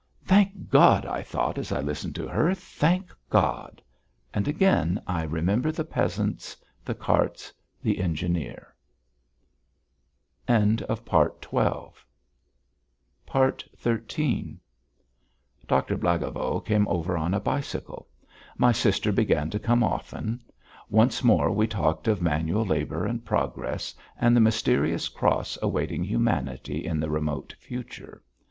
"Thank God!" I thought, as I listened to her. "Thank God!" And again I remember the peasants, the carts, the engineer.... XIII Doctor Blagovo came over on a bicycle. My sister began to come often. Once more we talked of manual labour and progress, and the mysterious Cross awaiting humanity in the remote future.